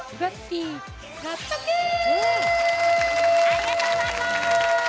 ありがとうございます！